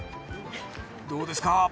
どうですか？